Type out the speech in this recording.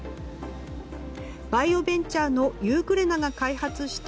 バイオベンチャーのユーグレナが開発した